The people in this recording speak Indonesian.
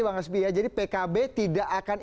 bang hasbi ya jadi pkb tidak akan